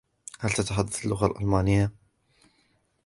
هل تتحدث اللغة الألمانية ؟